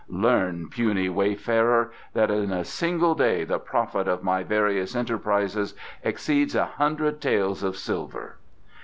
"Learn, puny wayfarer, that in a single day the profit of my various enterprises exceeds a hundred taels of silver."